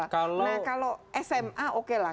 nah kalau sma oke lah